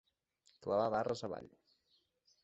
Clavar barres avall.